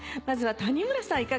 まずは谷村さん